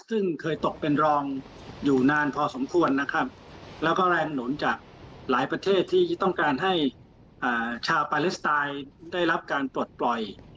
ซึ่งเคยตกเป็นรองอยู่นานพอสมควรนะครับแล้วก็แรงหนุนจากหลายประเทศที่ต้องการให้ชาวปาเลสไตน์ได้รับการปลดปล่อย